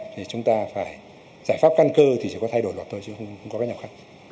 thì chúng ta phải giải pháp căn cơ thì chỉ có thay đổi luật thôi chứ không có cái nào khác